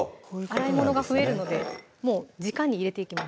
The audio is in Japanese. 洗い物が増えるのでもうじかに入れていきます